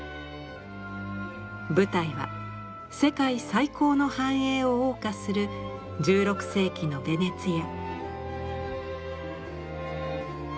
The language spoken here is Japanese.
舞台は世界最高の繁栄をおう歌する１６世紀のヴェネツィア。